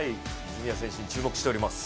泉谷選手、注目しております